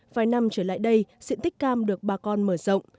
vài năm trở lại đây diện tích cam được bà con mở rộng